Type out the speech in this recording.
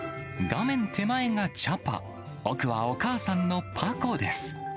画面手前がチャパ、奥はお母さんのパコです。